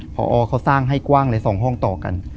หออาวาสร้างให้กว้างใน๒ห้องต่อกัน